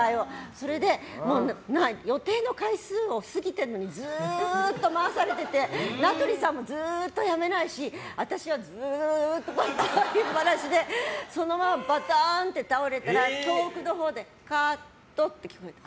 それで予定の回数を過ぎてるのにずっと回されてて、名取さんもずっとやめないし私はずっと回りっぱなしでそのままバタンって倒れて遠くのほうでカットって聞こえた。